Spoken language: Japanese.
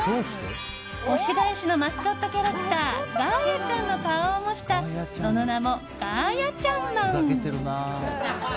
越谷市のマスコットキャラクターガーヤちゃんの顔を模したその名も、ガーヤちゃんまん。